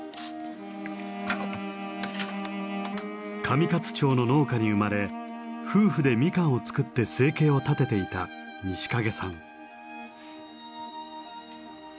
上勝町の農家に生まれ夫婦でミカンを作って生計を立てていた西蔭さん。